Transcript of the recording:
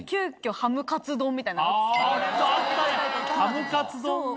ハムカツ丼ね。